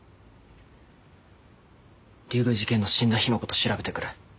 龍宮寺堅の死んだ日のこと調べてくれ。